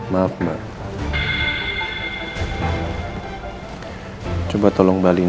tapi dia kekurang batas